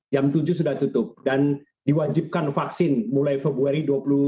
jam tujuh sudah tutup dan diwajibkan vaksin mulai februari dua ribu dua puluh